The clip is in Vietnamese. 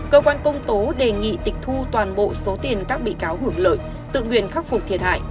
cơ quan công tố đề nghị tịch thu toàn bộ số tiền các bị cáo hưởng lợi tự nguyện khắc phục thiệt hại